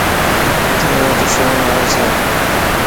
تووٽ فون ائي ڇو؟